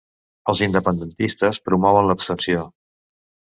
Els independentistes promouen l'abstenció.